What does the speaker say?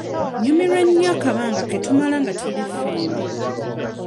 Nnyumirwa nnyo akabanga ke tumala nga tuli ffembi.